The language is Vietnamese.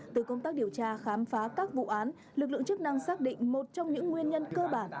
từ công tác điều tra khám phá các vụ án lực lượng chức năng xác định một trong những nguyên nhân cơ bản